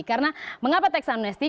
karena mengapa tax amnesty